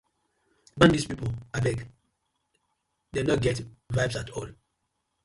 Bone dis pipu abeg, dem no get vibes atol.